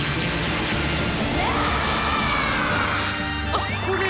あっこれ。